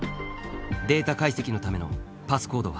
データ解析のためのパスコードは